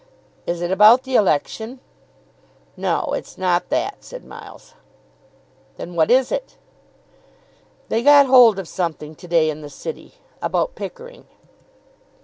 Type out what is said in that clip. "Is it about the election?" "No, it's not that," said Miles. "Then what is it?" "They got hold of something to day in the City about Pickering."